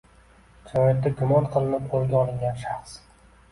Jinoyatda gumon qilinib qo‘lga olingan shaxs